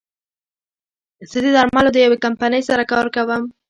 زه د درملو د يوې کمپنۍ سره کار کوم